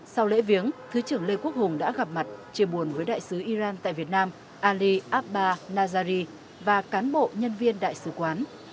sau lễ viếng thứ trưởng lê quốc hùng đã gặp mặt chia buồn với đại sứ iran tại việt nam ali abba nazari và cán bộ nhân viên đại sứ quán